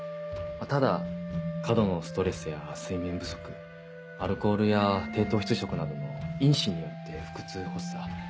ただ過度のストレスや睡眠不足アルコールや低糖質食などの因子によって腹痛発作。